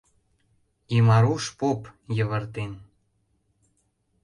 Имаруш поп, йывыртен